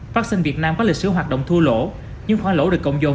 vaccine việt nam có lịch sử hoạt động thua lỗ nhưng khoản lỗ được cộng dồn